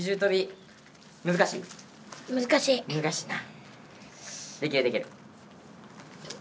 難しいな。